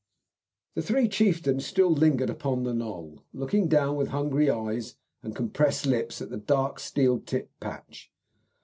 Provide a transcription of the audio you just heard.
The three chieftains still lingered upon the knoll, looking down with hungry eyes and compressed lips at the dark steel tipped patch.